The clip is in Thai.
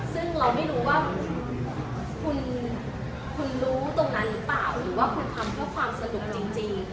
ซึ่งเราไม่รู้ว่าคุณรู้ตรงนั้นหรือเปล่าหรือว่าคุณทำเพื่อความสนุกจริง